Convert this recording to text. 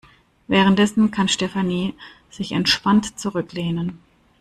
Währenddessen kann Stefanie sich entspannt zurücklehnen.